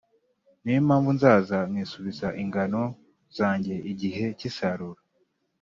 Ni yo mpamvu nzaza nkisubiza ingano zanjye igihe cy’isarura,